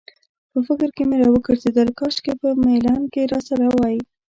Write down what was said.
په فکر کې مې راوګرځېدل، کاشکې په میلان کې راسره وای.